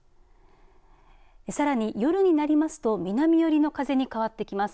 さらに夜になりますと南寄りの風に変わってきます。